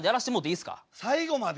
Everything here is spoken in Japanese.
最後まで？